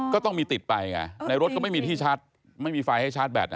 ก็ต้องมีติดไปไงในรถก็ไม่มีที่ชาร์จไม่มีไฟให้ชาร์จแบต